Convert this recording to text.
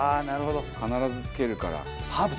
必ずつけるから。